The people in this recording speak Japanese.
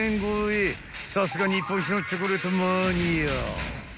［さすが日本一のチョコレートマニア］